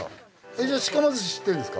じゃあしかま寿司知ってるんですか？